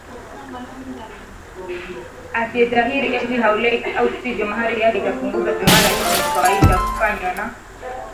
asiyetahiriwa eti haoleweki au sivyo mahari yake itapunguzwaTohara hizo ni kawaida kufanywa na